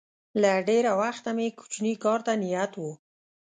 له ډېره وخته مې کوچني کار ته نیت و